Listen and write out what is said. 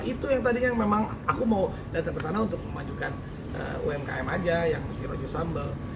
itu yang tadinya memang aku mau datang ke sana untuk memajukan umkm aja yang zero just sambel